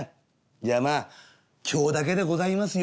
じゃあまあ今日だけでございますよ。